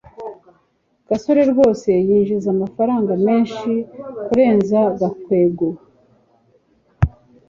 gasore rwose yinjiza amafaranga menshi kurenza gakwego